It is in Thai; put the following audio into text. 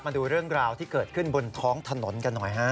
มาดูเรื่องราวที่เกิดขึ้นบนท้องถนนกันหน่อยฮะ